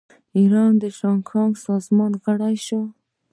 ایران د شانګهای سازمان غړی شو.